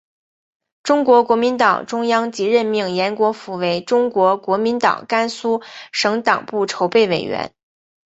中国国民党中央即任命延国符为中国国民党甘肃省党部筹备委员。